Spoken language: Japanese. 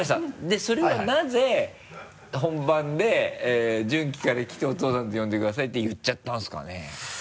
でそれはなぜ本番でジュンキから来て「お父さんと呼んでください」って言っちゃったんですかね？